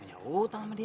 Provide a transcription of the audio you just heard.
punya utang sama dia